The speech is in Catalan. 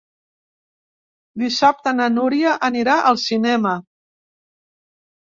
Dissabte na Núria anirà al cinema.